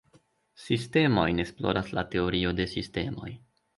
Sistemojn esploras la teorio de sistemoj.